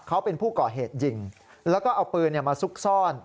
เขาเป็นผู้ก่อเหตุยิงแล้วก็เอาปืนมาซุกซ่อน